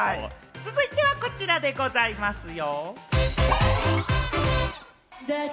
続いてはこちらでございますよ。